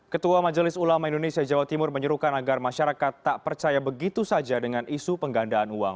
ketua majelis ulama indonesia jawa timur menyerukan agar masyarakat tak percaya begitu saja dengan isu penggandaan uang